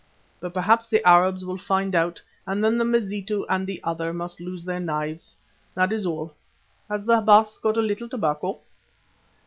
But perhaps the Arabs will find it out, and then the Mazitu and the other must lose their knives. That is all. Has the Baas a little tobacco?"